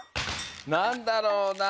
なんだろうなあ？